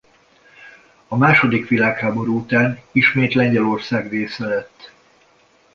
A második világháború után ismét Lengyelország része lett.